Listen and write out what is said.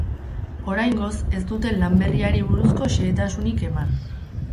Oraingoz ez dute lan berriari buruzko xehetasunik eman.